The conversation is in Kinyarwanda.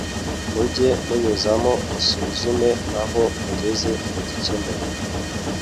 Mujye munyuzamo musuzume aho mugeze mugikemura